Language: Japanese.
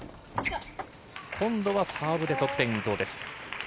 今度はサーブで得点、伊藤です。